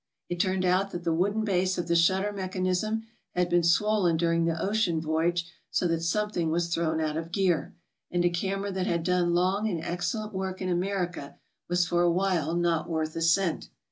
It turned out that the wooden base of the shutter mechanism had been swollen during the ocean voyage so that something was thrown out of gear, and a camera that had done long and excellent work in America was for a while not W'orth a cent.